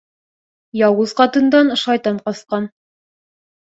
Яуыз ҡатындан шайтан ҡасҡан.